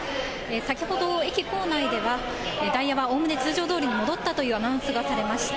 先ほど駅構内では、ダイヤはおおむね通常どおりに戻ったというアナウンスがされました。